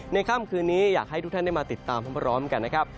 ค่ำคืนนี้อยากให้ทุกท่านได้มาติดตามพร้อมกันนะครับ